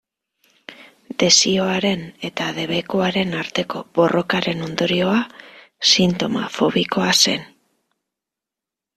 Desioaren eta debekuaren arteko borrokaren ondorioa sintoma fobikoa zen.